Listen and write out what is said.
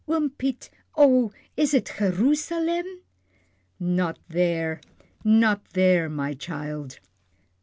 Oom Piet oh! is it Gee roo salem? Not there, not there, my child!